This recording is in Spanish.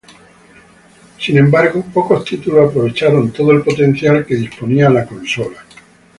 Sin embargo, pocos títulos aprovecharon todo el potencial que disponía la consola.